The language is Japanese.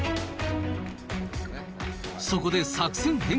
そこで作戦変更。